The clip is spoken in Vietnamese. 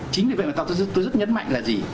chính vì vậy mà theo tôi rất nhấn mạnh là gì